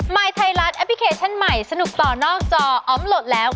ยไทยรัฐแอปพลิเคชันใหม่สนุกต่อนอกจออมโหลดแล้ว